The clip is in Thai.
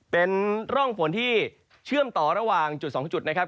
เป็นร่องฝนที่เชื่อมต่อระหว่างจุด๒จุดนะครับ